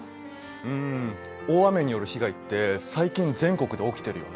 うん大雨による被害って最近全国で起きてるよね。